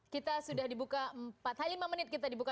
kita sudah dibuka empat hari lima menit kita dibuka